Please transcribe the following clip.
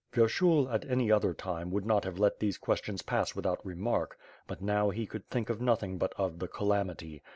Vyershul, at any other time, would not have let these quef=^ions pass without remark; but now he could think of nothing but of the calamity.